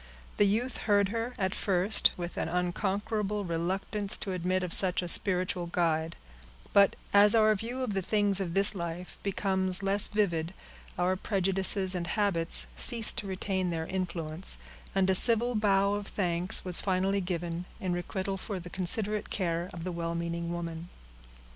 The youth heard her, at first, with an unconquerable reluctance to admit of such a spiritual guide; but as our view of the things of this life becomes less vivid, our prejudices and habits cease to retain their influence; and a civil bow of thanks was finally given, in requital for the considerate care of the well meaning woman.